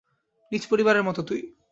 নিজ পরিবারের মত তুই।